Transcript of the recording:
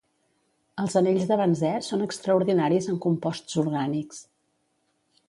Els anells de benzè són extraordinaris en composts orgànics.